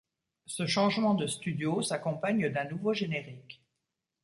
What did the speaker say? Ce changement de studio s'accompagne d'un nouveau générique.